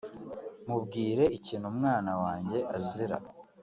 Mubwire ikintu umwana wanjye azira